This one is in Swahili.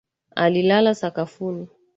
Alilala sakafuni